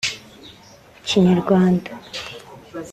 Kinyarwanda